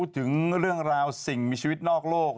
ถึงเรื่องราวสิ่งมีชีวิตนอกโลก